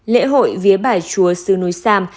lễ hội vía bà chúa sứ núi sam